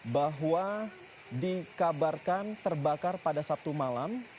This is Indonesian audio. bahwa dikabarkan terbakar pada sabtu malam